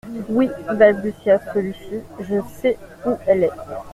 Oui, balbutia celui-ci, je sais où elle est.